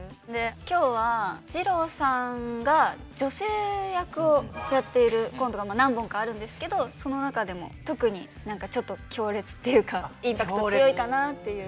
今日はじろうさんが女性役をやっているコントが何本かあるんですけどその中でも特に何かちょっと強烈っていうかインパクト強いかなっていう。